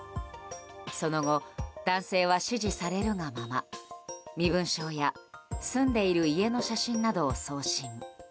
その後、男性は指示されるがまま身分証や住んでいる家の写真などを送信。